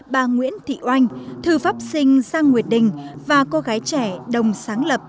bà nguyễn thị oanh thư pháp sinh sang nguyệt đình và cô gái trẻ đồng sáng lập